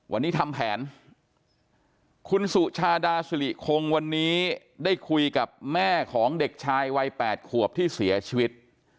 วันนี้ทำแผนคุณสุชาดาสิริคงวันนี้ได้คุยกับแม่ของเด็กชายวัย๘ขวบที่เสียชีวิต